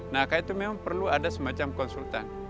nah karena itu memang perlu ada semacam konsultan